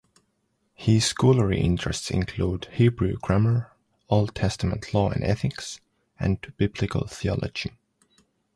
His scholarly interests include Hebrew grammar, Old Testament law and ethics, and Biblical theology.